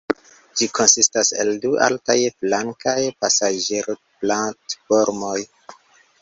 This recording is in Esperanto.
Ĝi konsistas el du altaj flankaj pasaĝerplatformoj.